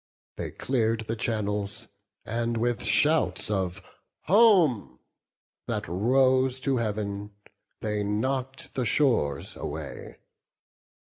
They clear'd the channels, and with shouts of "home" That rose to Heav'n, they knock'd the shores away.